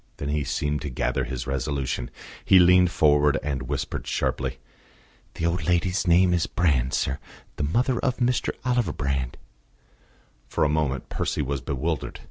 Then he seemed to gather his resolution; he leaned forward and whispered sharply. "The old lady's name is Brand, sir the mother of Mr. Oliver Brand." For a moment Percy was bewildered.